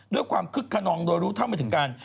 ด้วยความคึกขนองโดยรู้ทั้งวันถึงกัน